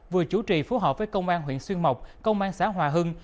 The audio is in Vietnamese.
vừa chủ trì phối hợp với công an huyện xuyên mộc công an xã hòa hưng